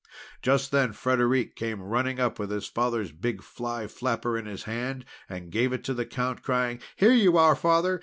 Just then Frederic came running up with his father's big fly flapper in his hand, and gave it to the Count, crying: "Here you are, Father!